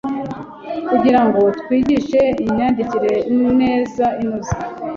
kugira ngo twigishe imyandikire neza inoze